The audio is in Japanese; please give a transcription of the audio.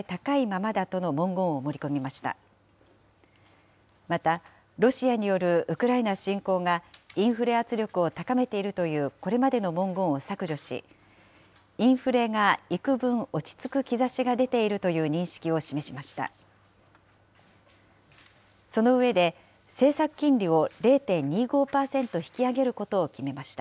また、ロシアによるウクライナ侵攻が、インフレ圧力を高めているというこれまでの文言を削除し、インフレがいくぶん落ち着く兆しが出ているという認識を示しました。